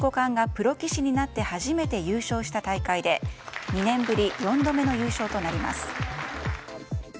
この大会は藤井五冠がプロ棋士になって初めて優勝した大会で２年ぶり４度目の優勝となります。